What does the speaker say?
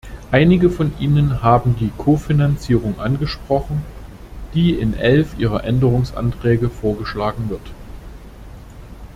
Einige von Ihnen haben die Kofinanzierung angesprochen, die in elf Ihrer Änderungsanträge vorgeschlagen wird.